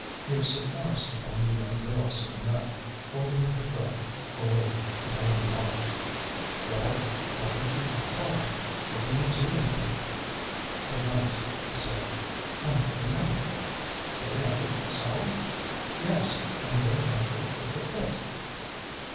He was surprised to find the young girl sitting up, holding in her breath, awake and on the watch. "Well! why don't you reply? What are you doing, then?" At last she said: "I'm getting up." "Getting up at this hour?" "Yes, I'm going back to work at the pit."